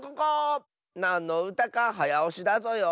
なんのうたかはやおしだぞよ。